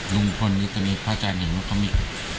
ลุงพลก็จะมีพระอาจารย์เห็นว่าเขามี